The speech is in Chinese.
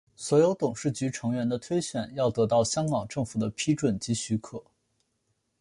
所有董事局成员的推选要得到香港政府的批准及许可。